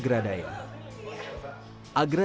agradaya ini adalah tempat pengolahan yang berbeda